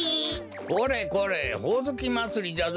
これこれほおずきまつりじゃぞ。